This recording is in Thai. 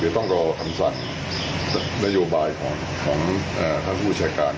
จะต้องก็เอาคำสั่งนโยบายของของเอ่อท่านผู้แชร์การ